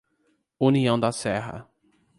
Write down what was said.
União da Serra